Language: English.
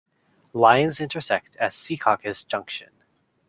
Lines intersect at Secaucus Junction.